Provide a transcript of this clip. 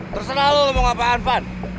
terserah lo mau ngapain ivan